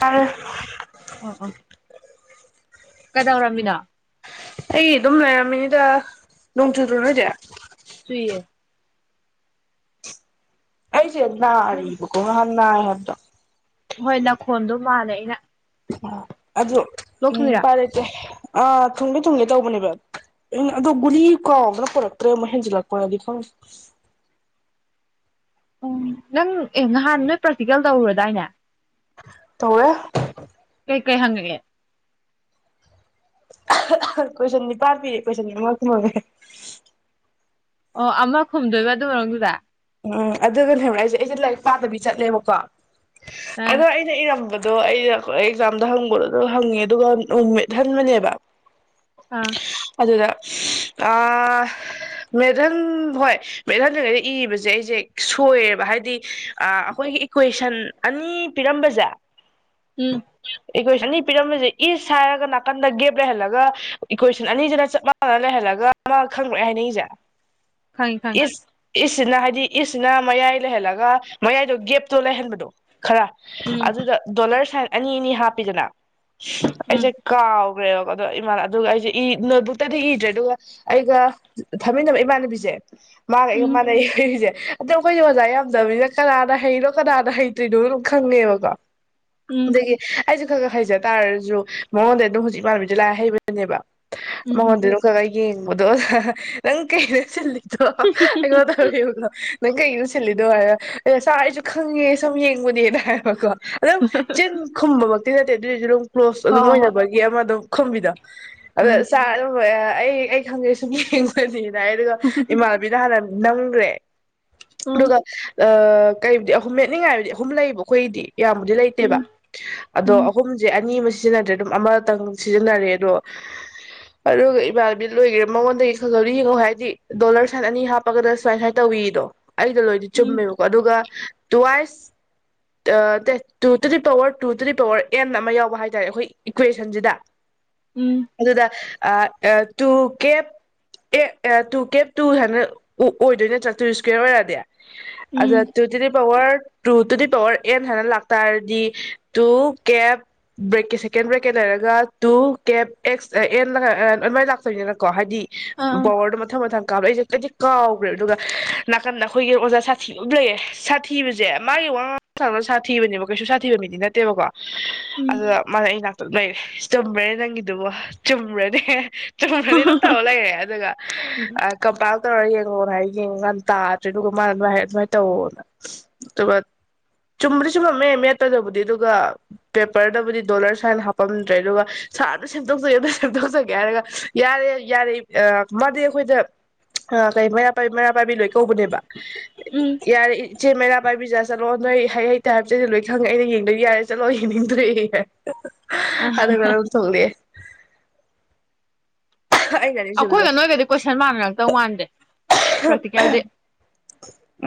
ꯑ ꯀꯗꯧꯔꯕꯝꯃꯤꯅꯣ ꯑꯩ ꯑꯗꯨꯝ ꯂꯩꯔꯝꯃꯤꯅꯤꯗ ꯅꯣꯡ ꯆꯨꯗ꯭ꯔꯣ ꯅꯣꯏꯗꯤ ꯆꯨꯏꯌꯦ ꯑꯔꯤꯕ ꯅ ꯍꯥꯏꯗꯣ ꯍꯣꯏ ꯅꯈꯣꯟꯗꯣ ꯃꯥꯜꯂꯦ ꯑꯩꯅ ꯑ ꯑꯗꯨ ꯎꯝ ꯂꯣꯛꯊꯨꯡꯉꯤꯔꯥ ꯄꯔꯩꯇꯦ ꯑꯥ ꯊꯨꯡꯒꯦ ꯊꯨꯡꯒꯦ ꯇꯧꯕꯅꯦꯕ ꯑꯗꯣ ꯒꯨꯂꯤ ꯀꯥꯎꯗꯅ ꯄꯨꯔꯛꯇ꯭ꯔꯦ ꯃꯣꯏ ꯍꯦꯟꯖꯤꯜꯂꯛꯄꯅꯗꯤ ꯈꯪꯉ ꯎꯝ ꯅꯪ ꯑꯦ ꯅꯍꯥꯟ ꯅꯣꯏ ꯄ꯭ꯔꯥꯛꯇꯤꯀꯦꯜ ꯇꯧꯔꯨꯔꯗꯥꯏꯅꯦ ꯊꯧꯔ ꯀꯩ ꯀꯩ ꯍꯪꯒꯒꯦ ꯀꯣꯏꯁꯟꯅꯤ ꯄꯔ ꯄꯤꯔꯦ ꯀꯣꯏꯁꯟꯅꯤ ꯃꯁ ꯃꯦ ꯑꯣ ꯑꯃ ꯈꯨꯝꯗꯣꯏꯕ ꯑꯗꯨ ꯃꯔꯗꯨꯗ ꯎꯝ ꯑꯗꯨꯒꯅꯦ ꯍꯥꯏꯛ ꯑꯩꯁꯦ ꯑꯩꯁꯦ ꯂꯥꯏꯔꯤꯛ ꯄꯥꯗꯕꯤ ꯆꯠꯂꯦꯕꯀꯣ ꯑ ꯑꯗꯣ ꯑꯩꯅ ꯏꯔꯝꯕꯗ ꯑꯗꯣ ꯑꯩꯩꯅ ꯑꯦꯛꯖꯥꯝꯗ ꯍꯪꯕꯗꯣ ꯑꯗꯨ ꯍꯪꯉꯦ ꯑꯗꯨꯒ ꯅꯨꯃꯤꯠ ꯍꯟꯕꯅꯦꯕ ꯑꯥ ꯑꯗꯨꯗ ꯃꯦꯙꯟ ꯍꯣꯏ ꯃꯦꯙꯟꯗ꯭ꯔꯤꯉꯩꯗ ꯏꯁ ꯁꯦ ꯑꯩꯁꯦ ꯁꯣꯏꯌꯦꯕ ꯍꯥꯏꯗꯤ ꯑꯩꯈꯣꯏꯒꯤ ꯏꯀ꯭ꯋꯦꯁꯟ ꯑꯅꯤ ꯄꯤꯔꯝꯕꯁꯦ ꯎꯝ ꯏꯀꯣꯏꯁꯟ ꯑꯅꯤ ꯄꯤꯔꯝꯃꯤꯁꯦ ꯏꯁ ꯍꯥꯏꯔꯒ ꯅꯥꯀꯟꯗ ꯒꯦꯞ ꯂꯩꯍꯜꯂꯒ ꯏꯀꯣꯏꯁꯟ ꯑꯅꯤꯁꯤꯅ ꯆꯞ ꯃꯥꯟꯅꯅ ꯂꯩꯍꯜꯂꯒ ꯑꯃ ꯈꯪꯗꯑꯦ ꯍꯥꯏꯅꯤꯡꯉꯁꯦ ꯈꯪ ꯈꯉ ꯏꯁꯤꯅ ꯍꯥꯏꯗꯤ ꯗꯤ ꯏꯁꯁꯤꯅ ꯃꯌꯥꯏ ꯂꯩꯍꯜꯂꯒ ꯃꯌꯥꯏꯗꯣ ꯒꯦꯞꯇꯣ ꯂꯩꯍꯟꯕꯗꯣ ꯈꯔ ꯎꯝ ꯑꯗꯨꯗ ꯗꯣꯂꯔ ꯁꯥꯏ ꯑꯅꯤ- ꯑꯅꯤ ꯍꯥꯞꯄꯤꯗꯅ ꯑꯩꯖꯦ ꯎꯝ ꯀꯥꯎ ꯈ꯭ꯔꯦꯕ ꯑꯗꯣꯥꯟ ꯑꯗꯨꯒ ꯑꯩꯁꯦ ꯏ ꯅꯣꯠꯕꯨꯛꯇꯗꯤ ꯏꯗ꯭ꯔꯦ ꯑꯗꯨꯒ ꯑꯩꯒ ꯊꯝꯃꯤꯟꯅꯕ ꯏꯃꯥꯟꯅꯕꯤꯁꯦ ꯃꯥꯒꯥ ꯑꯩꯒꯥ ꯎꯝ ꯃꯅꯩ [unintelligible] ꯑꯗꯣ ꯑꯩꯈꯣꯏꯒꯤ ꯑꯣꯖꯥ ꯌꯥꯝꯗꯕꯅꯤꯅ ꯀꯅꯥꯗ ꯍꯩꯔꯣ ꯀꯅꯥꯗ ꯍꯩꯇꯣꯏꯅꯣ ꯑꯗꯨꯝ ꯈꯪꯉꯦꯕꯀꯣ ꯎꯝ ꯑꯗꯨꯗꯒꯤ ꯑꯩꯁꯦ ꯈꯔ ꯈ ꯍꯩꯖ ꯇꯥꯔꯁꯨ ꯃꯉꯣꯟꯗ ꯑꯗꯨꯝ ꯍꯧꯖꯤꯛ ꯏꯃꯥꯟꯅꯕꯤꯁ ꯂꯥꯏ ꯍꯩꯕꯒꯤꯅꯦꯕ ꯎꯝ ꯎꯝ ꯃꯉꯣꯟꯗ ꯈꯒ ꯌꯦꯡꯕꯗꯣ ꯅꯪ ꯀꯩꯅꯩꯅ ꯁꯤꯜꯂꯤ [unintelligible] ꯅꯪ ꯀꯩꯗꯨꯨ ꯁꯤꯜꯂꯤꯗꯣ ꯍꯥꯏꯔꯣ ꯑꯦ ꯉꯁꯥ ꯑꯩꯁꯨ ꯈꯪꯉꯦ ꯁꯨꯝ ꯌꯦꯡꯕꯅꯦꯅ ꯍꯥꯏꯕꯀꯣ ꯑꯗꯣ ꯆꯤꯟ ꯈꯨꯝꯕ [unintelligible] ꯀ꯭ꯂꯣꯁ ꯍꯣ ꯑꯗꯨꯝ ꯍꯣ ꯍꯣꯏ ꯑꯣꯏꯅꯕꯒꯤ ꯑꯃ ꯑꯗꯨꯝ ꯈꯨꯝꯕꯤꯗꯣ ꯑꯗ ꯎꯝ [unintelligible] ꯑꯩ ꯑꯩ ꯈꯪꯉꯦ ꯁꯨꯝ ꯌꯦꯡꯕꯅꯤ ꯗꯨꯒ ꯏꯃꯥꯕꯤꯗ ꯍꯟꯅꯥ ꯅꯝꯒꯔ꯭ꯦ ꯎꯝ ꯑꯗꯨꯒ ꯀꯩꯗꯤ ꯑꯍꯨꯝ ꯃꯦꯠꯅꯤꯡꯉꯥꯏꯕꯨꯗꯤ ꯑꯍꯨꯝ ꯂꯩꯌꯦꯕ ꯑꯩꯈꯣꯏꯗꯤ ꯌꯥꯝꯕꯨꯗꯤ ꯂꯩꯇꯦꯕ ꯎꯝ ꯑꯗꯣ ꯑꯍꯨꯝꯁꯦ ꯑꯅꯤ ꯑꯃꯥ ꯁꯤꯖꯤꯟꯅꯗ꯭ꯔꯦ ꯑꯗꯨꯝ ꯑꯃꯇꯪ ꯁꯤꯖꯤꯟꯅꯔꯦ ꯑꯗꯣ ꯑꯗꯨꯒ ꯏꯃꯥꯟꯅꯕꯤ ꯂꯣꯏꯒꯔꯦ ꯃꯉꯣꯟꯗꯒꯤ ꯈꯪꯍꯧ ꯌꯦꯡꯉꯛꯑꯣ ꯍꯥꯏꯗꯤ ꯗꯣꯂꯔ ꯁꯨꯥꯏꯅ ꯑꯅꯤ ꯍꯥꯞꯄꯒꯅ ꯁꯨꯃꯥꯏ ꯁꯃꯥꯏꯅ ꯇꯧꯋꯤ ꯗꯣ ꯑꯩꯗ ꯂꯣꯏꯗꯤ ꯎꯝ ꯆꯨꯝꯃꯦꯕꯀꯣ ꯑꯗꯨꯒ two ice day two to the power two to the power and ꯑꯃ ꯌꯥꯎꯕ ꯍꯥꯏꯇꯥꯥꯔꯦ ꯑꯩꯈꯣꯏ ꯏꯀ꯭ꯋꯦꯁꯟꯁꯤꯗ ꯎꯝ ꯎꯝ ꯑꯗꯨꯗ ꯇꯨ ꯀꯦꯞ ꯑꯦ ꯇꯨ ꯀꯦꯞ ꯇꯨ ꯍꯥꯏꯅ ꯑꯣꯏꯗꯣꯏ ꯅꯠꯇꯔꯥ ꯀꯦꯔ ꯑꯣꯏꯔꯗꯤ ꯑ ꯗ ꯎꯝ ꯇꯨ ꯇꯨ ꯗꯤ ꯄꯕꯔ ꯇ ꯇꯨꯗꯤ ꯔ ꯑꯦꯟ ꯍꯥꯏꯅ ꯂꯥꯛꯇꯥꯔꯗꯤ ꯇꯨ ꯀꯦꯞ ꯕ꯭ꯔꯦꯛꯀꯤ ꯁꯦꯀꯦꯟ ꯕ꯭ꯔꯦꯛꯀꯦꯠ ꯂꯩꯔꯒ ꯇꯨ ꯀꯦꯞ ꯑꯦꯛꯁ ꯑꯦꯟ ꯑꯗꯨꯃꯥꯏꯅ ꯂꯥꯛꯇꯣꯏꯅꯤꯅꯀꯣ ꯍꯥꯏꯗꯤ ꯑꯥ ꯄꯥꯋꯔ ꯗꯨ ꯃꯊꯪ - ꯃꯊꯪ ꯫ ꯀꯥꯞ ꯑꯩꯁꯦ ꯀꯩꯗꯤ ꯀꯥꯎꯈ꯭ꯔꯦꯕ ꯑꯗꯨꯒ ꯅꯥꯀꯟꯗ ꯑꯩꯈꯣꯏꯒꯤ ꯑꯣꯖꯥ ꯁꯥꯊꯤꯕ ꯂꯩꯌꯦ ꯁꯥꯊꯤꯕꯁꯦ ꯃꯥꯒꯤ ꯋꯥꯥꯡꯥꯡꯅꯕ ꯁꯥꯊꯤꯕꯅꯦꯕ ꯀꯩꯁꯨ ꯁꯥꯊꯤꯕ ꯃꯤꯗꯤ ꯅꯠꯇꯦꯕꯀꯣ ꯎꯝ ꯑꯗꯨꯗ ꯃ ꯂꯩꯔꯦ ꯆꯨꯝꯕꯦ ꯅꯪꯒꯤꯗꯨꯕꯣ ꯆꯨꯝꯕ꯭ꯔꯅꯦ ꯆꯨꯝꯃꯅꯤ ꯑꯗꯨꯝ ꯇꯧ ꯂꯩꯔꯦ ꯑꯗꯨꯒ ꯎꯝ ꯀꯝꯄꯥꯛ ꯇ ꯌꯦꯒꯔ ꯍꯥꯏꯒ ꯌꯦ ꯇꯥꯗ꯭ꯔꯦ ꯑꯗꯨꯒ ꯃꯥꯅ ꯥꯏꯔ ꯑꯗꯨꯃꯥꯏꯅ ꯇꯧꯋꯅ ꯑꯗꯨꯒ ꯆꯨꯝꯕꯗꯤ ꯆꯨꯝꯃꯝꯃꯦ ꯃꯦꯠꯇꯗꯕꯨꯗꯤ ꯑꯗꯨꯒ ꯄꯦꯄꯔꯗꯕꯨꯗꯤ ꯗꯣꯂꯔ ꯁꯨꯥꯏꯅ ꯍꯥꯞꯄꯝꯗ꯭ꯔꯦ ꯑꯗꯨꯒ ꯁꯥꯔꯗ ꯁꯦꯝꯗꯣꯛꯆꯒꯦ ꯑꯗꯨ ꯁꯦꯝꯗꯣꯛꯆꯒꯦ ꯍꯥꯏꯔꯒ ꯌꯥꯔꯦ ꯌꯥꯔꯦ ꯃꯥꯗꯤ ꯑꯩꯈꯣꯏꯗ ꯀꯩ ꯃꯩꯔꯥ ꯄꯥꯏꯕꯤ ꯃꯩꯔꯥ ꯄꯥꯏ ꯀꯧꯕꯅꯦꯕ ꯎꯝ ꯌꯥꯔꯦ ꯏꯆꯦ ꯃꯔꯥ ꯕꯥꯥꯏ ꯕꯤꯖꯥ ꯆꯠꯂꯣ ꯅꯣꯏ ꯍꯩ ꯍꯩꯇꯦ ꯍꯥꯏꯕ ꯆꯗꯤ ꯂꯣꯏ ꯈꯪꯉꯦ ꯑꯩꯅ ꯌꯦꯡꯗꯣꯏ ꯌꯥꯔꯦ ꯆꯠꯂꯣ ꯌꯦꯡꯅꯤꯡꯗ꯭ꯔꯦꯦ ꯑꯗꯨ ꯔ ꯆꯉꯂꯦ ꯑꯩꯅ ꯆꯨꯝꯂꯦ ꯑꯩꯈꯣꯏꯒ ꯅꯣꯏꯒꯗꯤ ꯀꯣꯏꯁꯟ ꯃꯥꯟꯅꯔꯛꯇꯧ ꯃꯥꯟꯗꯦ ꯄ꯭ꯔꯥꯛꯇꯤꯀꯦꯜꯗꯤ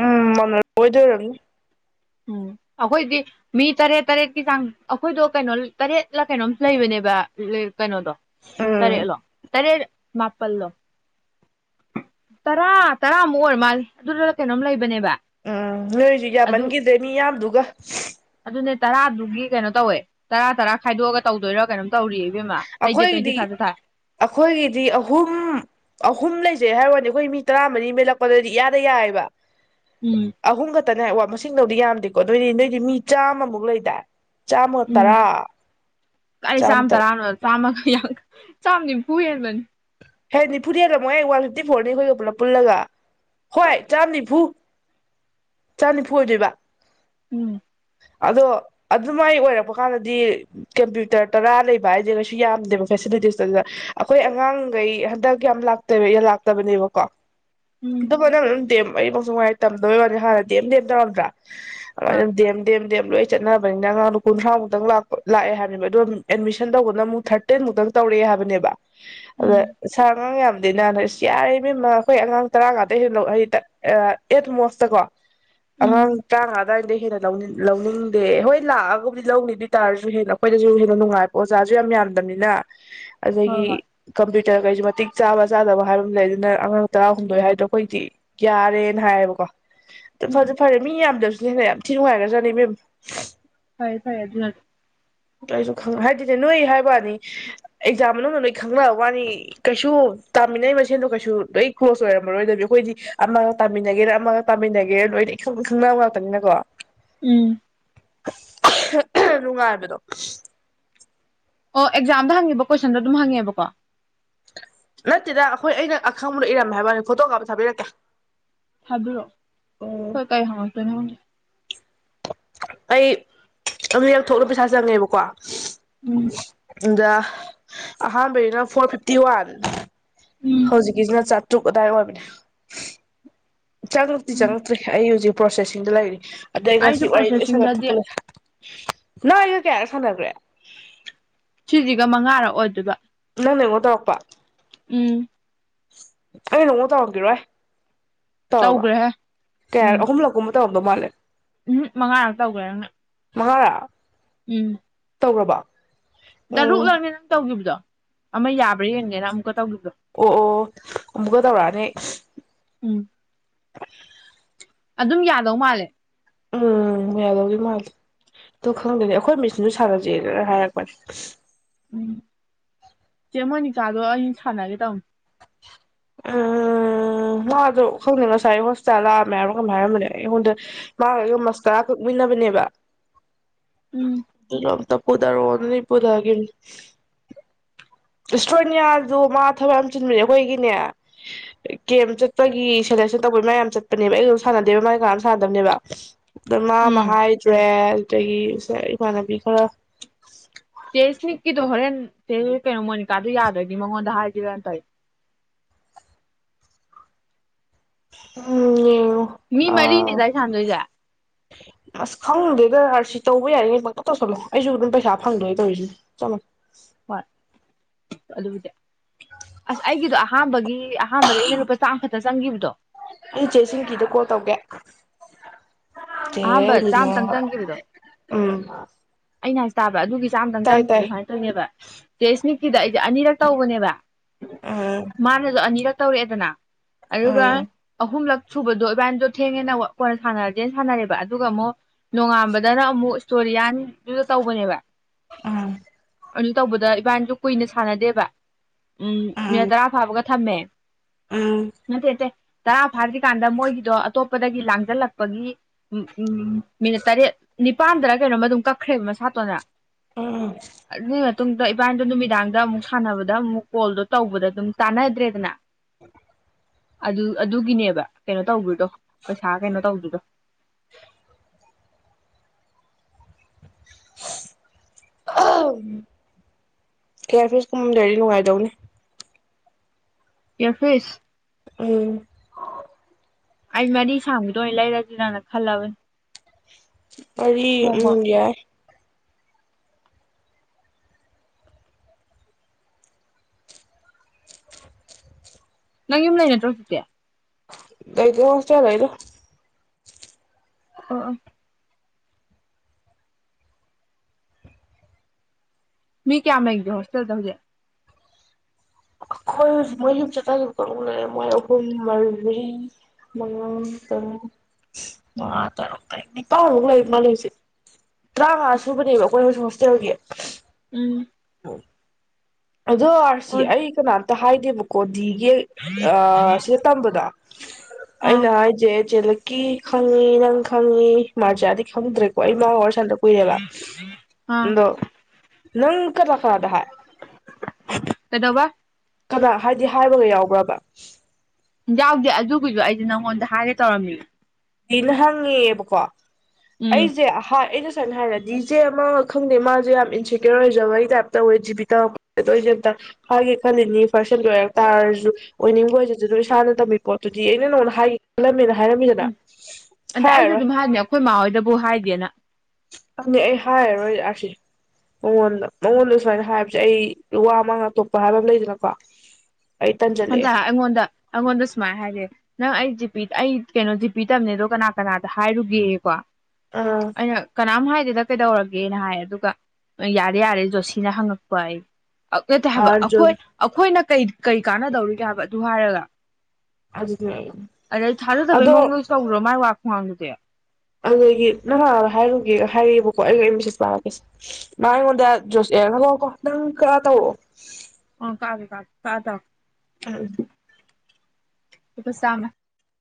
ꯎꯝ ꯃ ꯑꯣꯏꯗꯔꯅꯤ ꯎꯝ ꯑꯩꯈꯣꯏꯗꯤ ꯃꯤ ꯇꯔꯦꯠ ꯇꯔꯦꯠꯀꯤ ꯆꯥꯡ ꯑꯩꯈꯣꯏꯗꯣ ꯀꯩꯅꯣ ꯇꯔꯦꯠꯂ ꯀꯩꯅꯣꯝ ꯂꯩꯕꯅꯦꯕ ꯀꯩꯅꯣꯗꯣ ꯎꯝ ꯇꯔꯦꯠꯂꯣ ꯇꯔꯦꯠ ꯃꯥꯄꯜꯗꯣ ꯇꯔꯥ ꯇꯔꯥꯃꯨꯛ ꯑꯣꯏꯔ ꯃꯥꯜꯂꯤ ꯑꯗꯨꯗꯨꯅ ꯀꯩꯅꯣꯝ ꯂꯩꯕꯅꯦꯕ ꯎꯝ ꯅꯣꯏꯁꯨ ꯌꯥ ꯑꯗꯨ ꯃꯟꯒ ꯦ ꯃꯤ ꯏꯌꯥꯝꯗꯨꯒ ꯑꯗꯨꯅꯦ ꯇꯔꯥꯗꯨꯒꯤ ꯀꯩꯅꯣ ꯇꯧꯋꯦ ꯇꯔꯥ ꯇꯔꯥ ꯈꯥꯏꯗꯣꯛꯑꯒ ꯇꯧꯗꯣꯏꯔꯥ ꯀꯩꯅꯣ ꯇꯧꯔꯤ ꯑꯩꯈꯣꯏꯒꯤꯗꯤ ꯑꯩꯈꯣꯏꯒꯤꯗꯤ ꯑꯍꯨꯝ ꯑꯍꯨꯝ ꯂꯩꯖꯩ ꯍꯥꯏꯔ ꯑꯩꯈꯣꯏ ꯃꯤ ꯇꯔꯥꯃꯔꯤ ꯃꯦꯜꯂꯛꯄꯗꯗꯤ ꯌꯥꯗ ꯌꯥꯏꯦꯕ ꯎꯝ ꯅꯦ ꯋꯥ ꯃꯁꯤꯡꯗꯧꯗꯤ ꯌꯥꯝꯗꯦꯀꯣ ꯅꯣꯏꯗꯤ ꯅꯣꯏꯗꯤ ꯃꯤ ꯆꯥꯝꯃꯃꯨꯛ ꯂꯩꯗꯥ ꯆꯥꯃ ꯎꯝ ꯇꯔꯥ ꯆꯥꯃꯇꯔ ꯌꯥ ꯆꯝꯅꯤ ꯐꯕꯨ ꯌꯥꯅ ꯃꯅꯤ ꯍꯦ ꯅꯤꯐꯨꯗ ꯍꯦꯜꯂꯝꯃꯣ ꯑꯩ ꯋꯥꯟ ꯐꯤꯞꯇꯤ ꯐꯣꯔꯅꯤ ꯑꯩꯈꯣꯏꯒ ꯄꯨꯂꯞ ꯄꯨꯜꯂꯒ ꯍꯣꯏ ꯆꯥꯝ ꯅꯤꯐꯨ ꯆꯥꯝ ꯅꯤꯐꯨ ꯑꯣꯏꯗꯣꯏꯕ ꯎꯝ ꯑꯗꯣ ꯑꯗꯨꯃꯥꯏ ꯑꯣꯏꯔꯛꯄ ꯀꯥꯟꯗꯗꯤ ꯀꯝꯄ꯭ꯌꯨꯇꯔ ꯇꯔꯥ ꯂꯩꯕ ꯍꯥꯏꯗꯤꯦ ꯀꯩꯁꯨ ꯌꯥꯝꯗꯦꯕ ꯐꯦꯁꯤꯂꯤꯇꯤꯁꯇꯨꯗ ꯑꯩꯈꯣꯏ ꯑꯉꯥꯡꯈꯩ ꯍꯟꯗꯛ ꯌꯥꯝ ꯂꯥꯛꯇ ꯂꯥꯛꯇꯕꯅꯦꯕꯀꯣ ꯎꯝ ꯑꯗꯨ ꯑꯗꯨ ꯃꯅ ꯃꯩ ꯃꯁꯨꯡꯉꯥꯏ ꯇꯝꯗꯣꯏ ꯋꯥꯅꯤ ꯍꯥꯟꯅꯗꯤꯦꯝ ꯗꯦꯝ ꯇꯧꯔꯝꯗ꯭ꯔꯥ ꯍꯣꯏ ꯑꯗꯤ ꯑꯗꯤꯦꯝ ꯂꯣꯏ ꯆꯠꯅꯕꯅꯤꯅ ꯑꯉꯥꯡꯅ ꯀꯨꯟꯊ꯭ꯔꯥ ꯃꯨꯛꯇꯪ ꯂꯥꯛ ꯂꯥꯛꯑꯦ ꯍꯥꯏꯕꯅꯦꯕ ꯑꯣ ꯑꯦꯗꯃꯤꯁꯟ ꯇꯧꯕꯗꯅ ꯑꯃꯨꯛ ꯊꯥꯔꯇꯤꯟꯃꯨꯛꯇ ꯇꯧꯔꯛꯑꯦ ꯍꯥꯏꯕꯅꯦꯕ ꯑꯗ ꯎꯝ ꯆꯉ ꯑꯗꯨꯅ ꯌꯥꯔꯤ ꯑꯩꯈꯣꯏ ꯑꯉꯥꯡ ꯇꯔꯥ ꯉꯥꯇꯩ ꯍꯦ ꯑꯩꯠ ꯃꯣꯁꯇ ꯀꯣ ꯎꯝ ꯑꯃꯃꯥꯡ ꯇ ꯦꯔ ꯂꯧꯅꯤꯡꯗꯦ ꯍꯣꯏ ꯂꯥꯛꯑꯒꯕꯨꯗꯤ ꯂꯧꯅꯤꯗ ꯑꯣꯏ ꯇꯥꯔꯁꯨ ꯍꯦꯟꯅ ꯑꯩꯈꯣꯏꯗꯁꯨ ꯍꯦꯟꯅ ꯅꯨꯡꯉꯥꯏꯕ ꯑꯣꯖꯥꯁꯨ ꯌꯥꯝ ꯌꯥꯝꯗꯕꯅꯤꯅ ꯍꯣꯏ ꯍꯣꯏ ꯑꯗꯒꯤ ꯀꯝꯄꯨ ꯀꯩꯁꯨ ꯃꯇꯤꯛ ꯆꯥꯕ ꯆꯥꯗꯕ ꯍꯥꯏꯕ ꯑꯃ ꯂꯩ ꯑꯗꯨꯅ ꯑꯉꯥꯡ ꯇꯔꯥꯍꯨꯝꯗꯣꯏ ꯍꯥꯏꯗꯣ ꯑꯩꯈꯣꯏꯛꯇꯤ ꯌꯥꯔꯦꯅ ꯍꯥꯏꯌꯦꯕꯀꯣ ꯎꯝ ꯐꯖꯦ ꯐꯔꯦ ꯃꯤ ꯌꯥꯝꯗꯁꯨ ꯀ ꯍ ꯌꯥꯝ ꯊꯤꯅꯅꯨꯡꯉꯒ꯭ꯔꯖꯅꯤ ꯃꯦꯝ ꯐꯔꯦ ꯐꯔꯦ ꯑꯗꯨ ꯑꯗꯨ ꯂ ꯀꯁꯨ ꯍꯥꯏꯗꯤꯅꯦ ꯅꯣꯏ ꯍꯥꯏꯕꯅꯤ ꯑꯦꯛꯖꯥꯝ ꯃꯅꯨꯡꯗ ꯅꯣꯏ ꯈꯪ ꯋꯥꯅꯤ ꯀꯩꯁꯨ ꯇꯥꯃꯤꯟꯅꯩ ꯃꯁꯦꯟꯗꯣ ꯀꯩꯁꯨ ꯂꯣꯏ ꯀ꯭ꯂꯣꯖ ꯑꯣꯏꯔꯝꯃꯔꯣꯏꯗꯗꯤ ꯑꯩꯈꯣꯏꯗꯤ ꯑꯃꯒ ꯇꯥꯃꯤꯟꯅꯒꯦꯔꯥ ꯑꯃꯒ ꯇꯥꯃꯤꯟꯅꯒꯦꯔꯥ ꯂꯣꯏꯅꯪ ꯈꯪꯅꯕ ꯉꯥꯛꯇꯅꯤꯅꯀꯣ ꯎꯝ ꯅꯨꯡꯉꯥꯏꯕꯗꯣ ꯑꯣ ꯑꯦꯛꯖꯥꯝꯗ ꯍꯪꯉꯤꯕ ꯀꯣꯏꯁꯟꯗꯣ ꯑꯗꯨꯝ ꯍꯪꯉꯦꯕꯀꯣ ꯅꯠꯇꯦꯗ ꯑꯩꯈꯣꯏ ꯑꯩꯅ ꯑꯈꯪꯕꯗ ꯏꯔꯝꯃꯦ ꯍꯥꯏꯕꯅꯤ ꯐꯣꯇꯣ ꯀꯥꯞ ꯊꯥꯕꯤꯔꯛꯀꯦ ꯊꯥꯕꯤꯔꯛꯑꯣ ꯎꯝ ꯁꯣꯏ ꯀꯥꯏ ꯍꯁꯇꯅꯦꯅꯦ ꯑꯩ ꯑꯃꯌꯥꯛ ꯊꯣꯛꯂ ꯄꯩꯁꯥ ꯆꯪꯉꯦꯕꯀꯣ ꯎꯝ ꯑꯗ ꯑꯍꯥꯟꯕꯩꯅ ꯐꯣꯔ ꯐꯤꯐꯇꯤ ꯋꯥꯟ ꯎꯝ ꯍꯧꯖꯤꯛꯀꯤꯁꯤꯅ ꯇ ꯑꯗꯥꯏ ꯑꯣꯏꯕꯅꯦ ꯆꯠꯂꯛꯇ꯭ꯤ ꯎꯝ ꯆꯠꯂꯛꯇ꯭ꯔꯤ ꯑꯩ ꯍꯧꯖꯤꯛ ꯄ꯭ꯔꯣꯁꯦꯁꯤꯡꯗ ꯂꯩꯔꯤ ꯑꯗ ꯑꯩ ꯑꯩꯁꯨ ꯉꯁꯤ ꯋꯥꯔꯤ ꯂꯣꯏ ꯁꯥꯟꯒ ꯄ꯭ꯔꯣꯁꯦꯁꯤꯡꯗꯗꯤ ꯊꯣꯛꯄꯂ ꯅ ꯑꯩ ꯀꯌꯥ ꯍꯥꯏꯔꯦ ꯁꯥꯟꯅꯈ꯭ꯔꯦ ꯁꯤꯁꯤꯒ ꯃꯉꯥꯔꯛꯑꯣꯗꯕ ꯅꯪꯦꯉꯣ ꯇꯔꯄ ꯎꯝ ꯑꯩ ꯅꯣꯡꯃ ꯇꯧꯔꯈꯤꯔꯣꯏ ꯇꯔꯔꯕ ꯇꯧꯈ꯭ꯔꯦꯍꯦ ꯀꯦꯔ ꯎꯝ ꯑꯍꯨꯝꯂ ꯕ ꯃꯥꯜ ꯎꯝ ꯃꯉꯥꯔ ꯇꯧꯈꯦꯪꯅ ꯃꯍꯔ ꯎꯝ ꯇꯧꯔꯕ ꯇꯔꯨꯛꯂꯅꯦ ꯅꯪ ꯇꯧꯈꯤꯕꯗꯣ ꯑꯃ ꯌꯥꯕ꯭ꯔꯥ ꯌꯦꯡꯒꯦꯅ ꯑꯃꯨꯛꯀ ꯇꯧ ꯇꯦ ꯎꯝ [unintelligible] ꯑꯗꯨꯝ ꯌꯥꯗꯧ ꯃꯥꯜꯂꯦ ꯎꯝ ꯃꯌꯥ ꯂꯧꯧꯗꯤ ꯃꯥꯜꯜꯂꯤꯦ ꯑꯗꯣ ꯈꯪꯗꯦꯅꯦ ꯑꯩꯈꯣꯏ ꯃꯦꯆꯤꯟꯁꯨ ꯁꯥꯟꯅꯁꯦꯅ ꯍꯥꯏꯔꯛꯄꯅꯦ ꯎꯝ ꯆꯦꯃꯣꯏꯅꯤꯆꯥꯗꯣ ꯑꯩ ꯁꯥꯟꯅꯒꯦ ꯇꯃ ꯑ ꯎꯝ ꯃꯥꯗꯣ ꯈꯪꯗꯦ ꯉꯁꯥꯏ ꯍꯣꯁꯄꯤꯇꯥꯜ ꯂꯥꯛꯑꯝꯃꯦ ꯍꯥꯏꯔꯣ ꯀꯝ ꯍꯥꯏꯔꯝꯕꯅꯦ ꯑꯩꯉꯣꯟꯗ ꯃꯥꯒ ꯃꯁ ꯀꯔꯥ ꯀꯛꯃꯤꯟꯅꯕꯅꯦꯕ ꯎꯝ ꯣ ꯄꯨꯊꯔꯣ ꯃꯅꯤꯄꯗ ꯏꯁꯇ꯭ꯔꯣꯅꯤꯌꯥꯗꯨ ꯃꯥ ꯊꯕꯛ ꯌꯥꯝ ꯆꯤꯟꯕꯅꯦ ꯑꯩꯈꯣꯏꯒꯤꯅꯦ ꯒꯦꯝ ꯆꯠꯄꯒꯤ ꯁꯦꯂꯦꯛꯁꯟ ꯇꯧꯕꯒꯤ ꯃꯌꯥꯝ ꯌꯥꯝ ꯆꯠꯄꯅꯦꯕ ꯑꯩ ꯑꯗꯨꯝ ꯁꯥꯟꯅꯗꯦꯕ ꯃꯥꯒꯤ ꯀꯅꯥꯝ ꯁꯥꯟꯅꯗꯕꯅꯦꯕ ꯑꯗꯨꯃꯥ ꯎꯝ ꯃꯍꯥꯏ ꯇꯨꯔꯦꯜ ꯑꯗꯒꯤ ꯏꯃꯥꯟꯅꯕꯤ ꯈꯔ ꯆꯦ ꯏꯁꯅꯤꯛꯀꯤꯗꯣ ꯍꯣꯔꯦꯟ ꯆꯦ ꯀꯩꯅꯣ ꯃꯣꯅꯤꯀꯥꯗꯨꯣ ꯌꯥꯗꯣꯏꯅꯤ ꯃꯉꯣꯟꯗ ꯍꯥꯏꯈꯤꯕꯔꯅ ꯇꯧꯋꯏ ꯎꯝ ꯃꯤ ꯑꯥ ꯃꯔꯤꯅꯦꯗꯥꯏ ꯁꯥꯟꯗꯣꯏꯁꯦ ꯐꯪꯗꯦꯗ ꯑꯥꯔ ꯁꯤ ꯇꯧꯕ ꯌꯥꯔꯤꯉꯩꯃꯛꯇꯪ ꯇꯧꯁꯜꯂꯣ ꯑꯩꯁꯨ ꯑꯗꯨꯝ ꯄꯩꯁꯥ ꯐꯪꯗꯣꯏ ꯇꯧꯔꯤꯁꯤꯅꯦ ꯆꯝꯃꯣ ꯋꯥꯠ ꯑꯗꯨꯕꯨꯗꯤ ꯑꯁ ꯑꯩꯒꯤꯗꯣ ꯑꯍꯥꯥꯟꯕꯒꯤ ꯑꯍꯥꯟꯕꯒ ꯏꯩꯅ ꯂꯨꯄꯥ ꯆꯥꯡ ꯑ ꯆꯪꯈꯤꯕꯗꯣ ꯑꯩ ꯆꯦꯁꯤ ꯀꯤꯗ ꯀꯣ ꯇꯧꯒꯦ ꯆꯦ ꯑꯍꯝꯕ ꯂꯤꯅ ꯆꯥꯝꯇꯪ ꯆꯪꯈꯤꯕꯗꯣ ꯎꯝ ꯑꯩꯅ ꯍꯥꯏ ꯇꯥꯕ ꯑꯗꯨꯒꯤꯁꯨ ꯇꯥꯏ ꯇꯥꯏ ꯆꯥꯝꯗꯪꯝꯈꯤꯕꯗꯨ ꯁꯃꯥꯏꯅ ꯇꯧꯅꯦꯕ ꯖꯦꯁꯃꯤꯀꯤꯗ ꯑꯩꯁꯦ ꯑꯅꯤꯔꯛ ꯇꯧꯕꯅꯦꯕ ꯎꯝ ꯃꯥꯅ ꯑꯗꯨ ꯑꯅꯤꯔꯛ ꯇꯧꯔꯛꯑꯦꯗꯅ ꯑꯗꯨꯒ ꯎꯝ ꯑꯍꯨꯝ ꯂꯥꯛ ꯁꯨꯕꯗꯣ ꯏꯕꯥꯏꯅꯤꯗꯣ ꯊꯦꯡꯉꯦꯅ ꯀꯣꯟ ꯁꯥꯟꯅꯔꯖꯦꯅ ꯁꯥꯟꯅꯔꯦꯕ ꯑꯗꯨꯒ ꯑꯃꯨꯛ ꯅꯣꯡꯉꯥꯟꯕꯗꯅ ꯑꯃꯨꯛ ꯏꯁꯇꯣꯔꯤꯌꯥꯟ ꯑꯗꯨꯗ ꯇꯧꯕꯅꯦꯕ ꯑꯥ ꯑꯗꯨ ꯇꯧꯕꯗ ꯏꯕꯥꯅꯤꯁꯨ ꯀꯨꯏꯅ ꯁꯥꯟꯅꯗꯦꯕ ꯎꯝ ꯃꯤ ꯇꯔꯥ ꯐꯥꯕꯒ ꯊꯝꯃꯦ ꯎꯝ ꯃ ꯇ ꯇꯔꯥ ꯐꯥꯗ꯭ꯔꯤꯀꯥꯟꯗ ꯃꯣꯏꯒꯤꯗꯣ ꯑꯇꯣꯞꯄꯗꯒꯤ ꯂꯥꯡꯁꯤꯜꯂꯛꯄꯒꯤ ꯃꯤꯅꯠ ꯇꯔꯦꯠ ꯅꯤꯄꯥꯟꯗꯔ ꯀꯩꯅꯣꯃ ꯑꯗꯨꯝ ꯀꯛ ꯈ꯭ꯔꯦ ꯃꯁꯥꯇꯣꯟꯅ ꯎꯝ ꯑꯗꯨꯒꯤ ꯃꯇꯨꯡꯗ ꯏꯄꯥꯅꯤꯗꯣ ꯅꯨꯃꯤꯗꯥꯡꯗ ꯑꯃꯨꯛ ꯁꯥꯟꯅꯕꯗ ꯑꯃꯨꯛ ꯀꯣꯜꯗꯣ ꯇꯧꯕꯗ ꯑꯗꯨꯝ ꯇꯥꯟꯅꯗ꯭ꯔꯦꯗꯅ ꯎꯝ ꯑꯗꯨ ꯑꯗꯨꯒꯤꯅꯦꯕ ꯀꯩꯅꯣ ꯇꯧꯗ꯭ꯣꯏꯗꯣ ꯄꯩꯁꯥ ꯀꯩꯅꯣ ꯇꯧꯗ꯭ꯣꯏꯗꯣ ꯀꯌꯥꯔ ꯐꯤꯁ ꯀꯨꯝꯃꯗ꯭ꯔꯗꯤ ꯅꯨꯡꯉꯥꯏꯗꯧꯅꯤ ꯌꯥꯐꯤꯁ ꯎꯝ ꯑꯩ ꯃꯔꯤ ꯁꯥꯡꯕꯗꯣ ꯑꯣꯏꯅ ꯂꯩꯔꯁꯤꯔꯅ ꯈꯜꯂꯕꯅꯦ ꯃꯔꯤ ꯎꯝ ꯌꯥꯏ ꯅꯪ ꯌꯨꯝ ꯂꯩ ꯅꯇ꯭ꯔꯣ ꯆꯇꯦ ꯂꯩꯇꯦ ꯍꯣꯁꯇꯦꯜ ꯂꯩꯗ ꯑꯣ ꯃꯤ ꯀꯌꯥꯝ ꯂꯩꯒꯦ ꯍꯣꯁꯇꯦꯜꯗ ꯍꯧꯖꯤꯦ ꯑꯩꯈꯣꯏ ꯍꯧꯖꯤꯛ ꯃꯣꯏ ꯌꯨꯝ ꯆꯠꯀꯈꯤꯕ ꯀꯨꯛ ꯂꯩꯔꯦ ꯃꯣꯏ ꯑꯍꯨꯝ ꯃꯔꯤ ꯃꯔꯤ ꯃꯉꯥ ꯇꯔꯨꯛ ꯃꯉꯥ ꯇꯔꯨꯛ ꯇꯔꯦꯛ ꯅꯤꯄꯥꯟꯃꯨꯛ ꯂꯩ ꯃꯥꯜꯂꯦ ꯇꯔꯥꯃꯉꯥ ꯁꯨꯕꯅꯦꯕ ꯑꯩꯈꯣꯏ ꯍꯧꯖꯤꯛ ꯍꯣꯁꯇꯦꯜꯒꯤ ꯎꯝ ꯑ ꯑꯗꯣ ꯑꯥꯔꯁꯤ ꯑꯣ ꯑꯩ ꯀꯅꯥꯅ ꯍꯥꯏꯗꯦꯕꯀꯣ ꯁꯤꯗ ꯇꯝꯕꯗꯣ ꯑꯥ ꯑꯩꯅ ꯍꯥꯏꯁꯦ ꯀ ꯈꯪꯉꯤ ꯅꯪ ꯈꯪꯉꯤ ꯃꯥꯖꯥꯗꯤ ꯈꯪꯗ꯭ꯔꯦꯀꯣ ꯑꯩ ꯃꯥꯒ ꯋꯥꯔꯤ ꯁꯥꯅꯟꯗ ꯀꯨꯏꯔꯦꯕ ꯑꯥ ꯑꯗꯣ ꯅꯪ ꯀꯂꯥꯀꯥꯔꯗ ꯍꯥꯏ ꯀꯩꯗꯧꯕ ꯀꯅꯥ ꯍꯥꯏꯗꯤ ꯍꯥꯏꯕꯒ ꯌꯥꯎꯕ꯭ꯔꯕ ꯌꯥꯎꯗꯦ ꯑꯗꯨꯒꯤꯁꯨ ꯑꯩꯁꯨ ꯅꯪꯉꯣꯟꯗ ꯍꯥꯏꯒꯦ ꯇꯧꯔꯝꯃꯤ ꯑꯗꯨꯅ ꯍꯪꯉꯦꯕꯀꯣ ꯎꯝ ꯑꯩꯁꯦ ꯍꯥ ꯑꯩ ꯁꯅ ꯍꯥꯏꯔꯗꯤ ꯏꯖꯦ ꯑꯃ ꯈꯪꯗꯦ ꯃꯥꯁꯦ ꯌꯥꯝ ꯏꯟꯁꯦꯀ꯭ꯌꯣꯔ ꯑꯣꯏꯖꯕꯒꯤ ꯇꯥꯏꯞ ꯇꯧꯋꯦ ꯖꯤꯕꯤ ꯇꯧꯔꯛꯄ ꯑꯗꯣ ꯑꯩꯁꯦ ꯑꯝꯇ ꯍꯥꯏꯒꯦ ꯈꯜꯂꯤꯅꯤ ꯐꯪꯁꯟ ꯂꯣꯏꯔꯛ ꯇꯥꯔꯁꯨ ꯑꯣꯏꯅꯤꯡꯕ ꯑꯣꯏꯁ ꯑꯗꯨ ꯏꯁꯥꯅ ꯇꯝꯃꯤ ꯄꯣꯠꯇꯨꯗꯤ ꯑꯩꯅ ꯅꯉꯣꯅ ꯍꯥꯏꯒꯦ ꯈꯜꯂꯝꯃꯤꯅ ꯍꯥꯏꯔꯝꯃꯤꯗꯅ ꯎꯝ ꯑꯗ ꯑꯩꯁꯨ ꯑꯗꯨꯝ ꯍꯥꯏꯅꯦ ꯑꯩꯈꯣꯏ ꯏꯃꯥ ꯍꯣꯏꯗꯕꯨ ꯍꯥꯏꯗꯦꯅ ꯑꯩ ꯍꯥꯏꯔꯔꯣꯏ ꯑꯥꯔꯁꯤ ꯃꯉꯣꯟꯗ ꯃꯉꯣꯟꯗ ꯁꯨꯃꯥꯏꯅ ꯍꯥꯏꯕꯁꯦ ꯑꯩ ꯋꯥ ꯑꯃꯥꯡ ꯑꯇꯣꯞꯄ ꯍꯥꯏꯕ ꯑꯃ ꯂꯩꯗꯅꯀꯣ ꯑꯩ ꯑꯟ ꯇꯟꯖꯜꯂꯛꯑꯦ ꯑꯩꯉꯣꯟꯗ ꯑꯩꯉꯣꯟꯗ ꯁꯨꯃꯥꯏꯅ ꯍꯥꯏꯔꯦ ꯅꯪ ꯑꯩ ꯖꯤꯄꯤ ꯑꯩ ꯀꯩꯅꯣ ꯖꯤꯄꯤ ꯇꯝꯅꯦ ꯑꯗꯣ ꯀꯅꯥ ꯀꯅꯥꯗ ꯍꯥꯏꯔꯨꯒꯦ ꯀꯣ ꯑ ꯑꯩꯅ ꯀꯅꯥꯝ ꯍꯥꯏ ꯁꯤ ꯁꯤꯗ ꯀꯩꯗꯧꯔꯒꯦꯅ ꯍꯥꯏ ꯑꯗꯨꯒ ꯌꯥꯔꯦ ꯌꯥꯔꯦ ꯖꯣꯁꯤꯅ ꯍꯪꯉꯛꯄ ꯑꯩ ꯅꯠꯇꯦ ꯍꯥꯏꯕ ꯑꯩꯈꯣꯏ ꯑꯥꯔꯖꯨꯟ ꯑꯩꯈꯣꯏꯅ ꯀꯩ ꯀꯩ ꯀꯥꯟꯅꯗꯧꯔꯤꯒꯦ ꯍꯥꯏꯕ ꯑꯗꯨ ꯍꯥꯏꯔꯒ ꯑꯗꯨꯅꯦ ꯑꯗꯩ ꯊꯥꯖꯗꯕꯩ ꯑꯗꯣ ꯃꯑꯣꯡꯗꯖꯨ ꯇꯧꯗ꯭ꯔꯣ ꯃꯥꯏ ꯋꯥ ꯈꯨꯉꯥꯡꯗꯨꯗꯤ ꯑꯗꯨꯗꯒꯤ ꯅꯍꯥꯟ ꯍꯥꯏꯔꯨꯒꯦꯒ ꯍꯥꯏꯔꯛꯑꯦꯕꯀꯣ ꯑꯩꯩꯅ ꯑꯩ ꯃꯦꯁꯦꯖ ꯄꯥꯔꯛꯀꯦꯁꯦ ꯃꯥ ꯑꯩꯉꯣꯟꯗ ꯖꯣꯁ ꯑꯦꯔ ꯈꯂꯛꯑꯣꯀꯣ ꯅꯪ ꯈꯔ ꯇꯧꯔꯛꯑꯣ ꯑꯣ ꯀꯥꯗꯦ ꯀꯥ ꯀꯥ ꯇ ꯑ ꯂꯨꯄꯥ ꯆꯥꯝꯃ